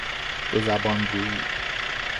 دو زبانگویی